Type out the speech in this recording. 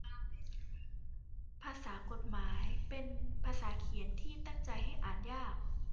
ภาษากฎหมาย เป็นภาษาเขียนที่ตั้งใจให้อ่านยาก